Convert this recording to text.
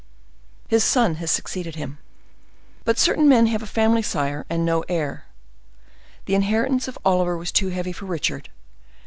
"His son has succeeded him." "But certain men have a family, sire, and no heir. The inheritance of Oliver was too heavy for Richard.